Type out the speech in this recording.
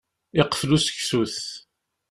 Iqfel useksut.